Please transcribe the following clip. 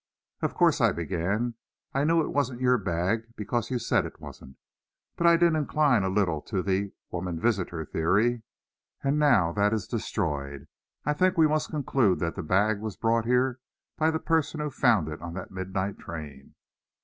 "Of course," I began, "I knew it wasn't your bag, because you said it wasn't. But I did incline a little to the `woman visitor' theory, and now that is destroyed. I think we must conclude that the bag was brought here by the person who found it on that midnight train."